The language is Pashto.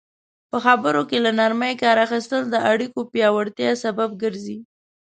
په خبرو کې له نرمي کار اخیستل د اړیکو پیاوړتیا سبب ګرځي.